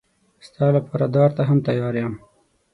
ستا لپاره دار ته هم تیار یم.